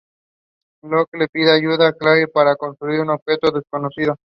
Locke le pide ayuda a Claire para construir un objeto desconocido.